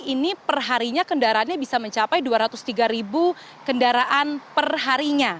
ini perharinya kendaraannya bisa mencapai dua ratus tiga ribu kendaraan perharinya